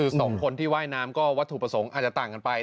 คือสองคนที่ว่ายน้ำก็วัตถุประสงค์อาจจะต่างกันไป